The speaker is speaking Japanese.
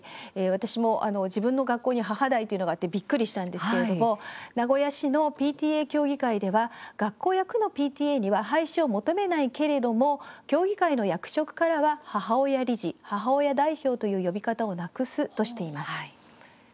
私も自分の学校に母代というのがあってびっくりしたんですけれども名古屋市のＰＴＡ協議会では学校や区のＰＴＡには廃止を求めないけれども協議会の役職からは母親理事・母親代表という呼び方をなくすとしています。